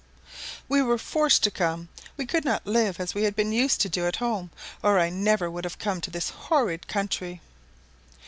"We were forced to come. We could not live as we had been used to do at home, or I never would have come to this horrid country."